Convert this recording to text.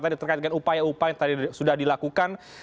tadi terkaitkan upaya upaya yang tadi sudah dilakukan